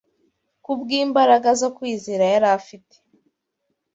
Kubw’imbaraga zo kwizera yari afite